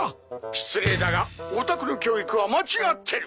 ☎失礼だがお宅の教育は間違ってる。